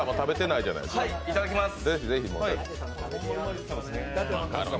いただきます。